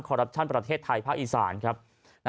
คอรับชั่นประเทศไทยภาคอีสาน